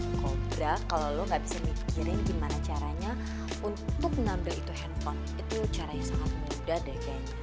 sebenarnya kalau lo enggak bisa mikirin gimana caranya untuk nanda itu hp itu caranya sangat mudah deh kayaknya